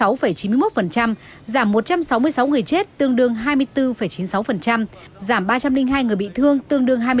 giảm một trăm sáu mươi sáu người chết tương đương hai mươi bốn chín mươi sáu giảm ba trăm linh hai người bị thương tương đương hai mươi chín